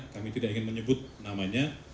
kami tidak ingin menyebut namanya